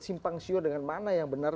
simpang siur dengan mana yang benar